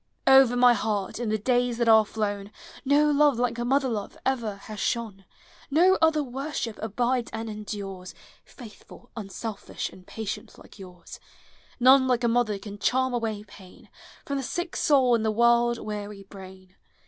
Over my heart, in the days that are down, No love like mother love ever has shone; No other worship abides and endures, Faithful, unselfish, and patient, like yours: None like a mother can charm away pain From the sick soul and the world weary brain.